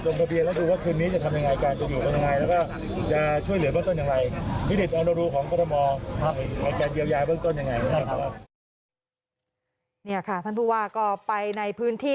นี่ค่ะท่านผู้ว่าก็ไปในพื้นที่